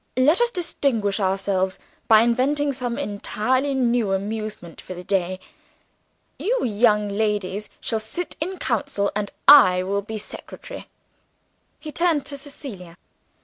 "Let us distinguish ourselves by inventing some entirely new amusement for the day. You young ladies shall sit in council and I will be secretary." He turned to Cecilia.